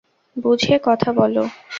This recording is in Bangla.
বুঝে কথা বলো।